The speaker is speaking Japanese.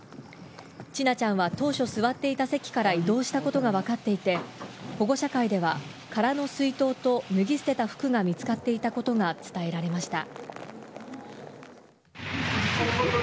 千奈ちゃんは当初座っていた席から移動したことが分かっていて保護者会では空の水筒と脱ぎ捨てた服が見つかっていたことが伝えられました。